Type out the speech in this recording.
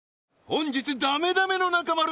本日ダメダメの中丸